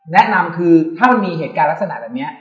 แนะนำคือถ้ามันมีเหตุการณ์ลักษณะแบบนี้